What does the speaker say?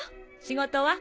仕事は？